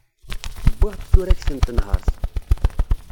Wwiɣ-d turagt n tenhert.